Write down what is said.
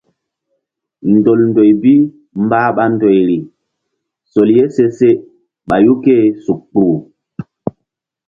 Ndol ndoy bi mbah ɓa ndoyri sol ye se se ɓayu ké-e suk kpuh.